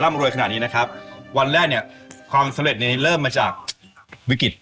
รวยขนาดนี้นะครับวันแรกเนี่ยความสำเร็จเนี่ยเริ่มมาจากวิกฤต